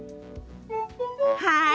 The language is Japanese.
はい。